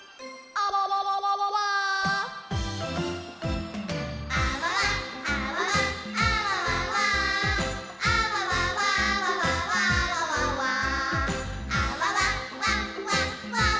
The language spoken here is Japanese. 「あわわ、わ、わ、わわわわ」